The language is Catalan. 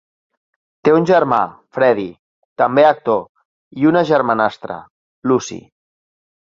Té un germà, Freddie, també actor, i una germanastra, Lucy.